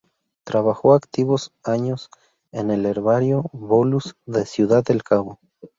Trabajó activos años en el Herbario Bolus, de Ciudad del Cabo.